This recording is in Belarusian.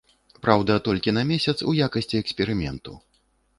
Праўда, толькі на месяц, у якасці эксперыменту.